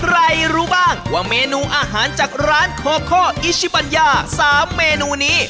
รู้บ้างว่าเมนูอาหารจากร้านโคโคอิชิปัญญา๓เมนูนี้